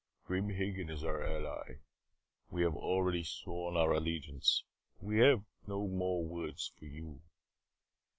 "Grim Hagen is our ally. We have already sworn our allegiance. I have no more words for you."